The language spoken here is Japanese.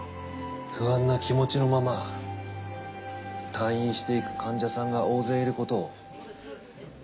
不安な気持ちのまま退院していく患者さんが大勢いることを。